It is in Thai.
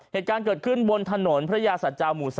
เหตุการณ์เกิดขึ้นบนถนนพระยาสัจจาหมู่๓